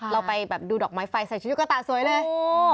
เราไปแบบดูดอกไม้ไฟใส่ชุดกระตาสวยเลย